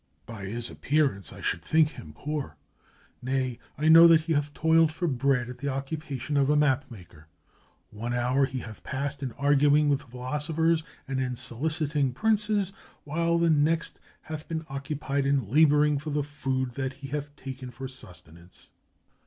"By his appearance, I should think him poor — nay, I know that he hath toiled for bread at the occupation of a map maker. One hour he hath passed in arguing with philosophers and in soliciting princes, while the next 481 SPAIN hath been occupied in laboring for the food that he hath taken for sustenance."